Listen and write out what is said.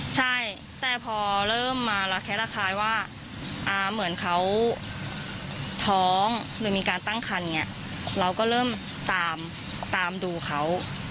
ใช่แต่พอเริ่มมารับแค้นรับคลายว่าอ่าเหมือนเขาท้องหรือมีการตั้งคันไงเราก็เริ่มตามตามดูเขา